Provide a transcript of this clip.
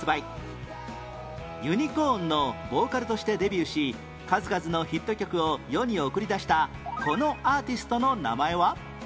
ユニコーンのボーカルとしてデビューし数々のヒット曲を世に送り出したこのアーティストの名前は？